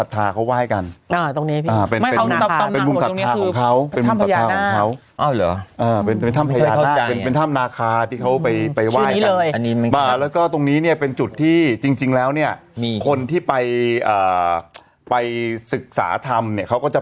ทำไมมันเล่นเททขนาดนั้นไอ้แจ๊กแต่ฉันเห็นในอินสัตว์แก่